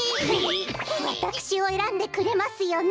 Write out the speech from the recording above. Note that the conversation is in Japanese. わたくしをえらんでくれますよね？